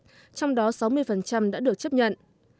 xem xét trong đó sáu mươi đã được chấp nhận